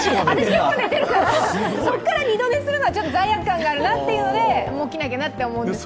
私、結構寝てから、そこから二度寝するのは罪悪感があるからもう起きなきゃなって思うんですけど。